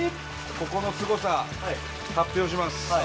ここのすごさ発表します